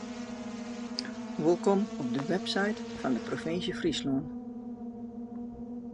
Wolkom op de webside fan de provinsje Fryslân.